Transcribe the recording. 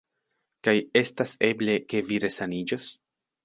Kaj estas eble, ke vi resaniĝos?